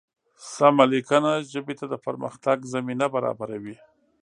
سمه لیکنه ژبې ته د پرمختګ زمینه برابروي.